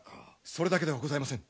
それだけではございません。